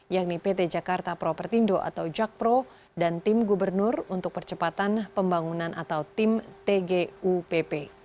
yakni pt jakarta propertindo atau jakpro dan tim gubernur untuk percepatan pembangunan atau tim tgupp